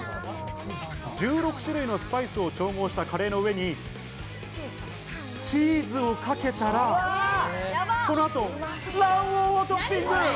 １６種類のスパイスを調合したカレーの上にチーズをかけたら、この後、卵黄をトッピング。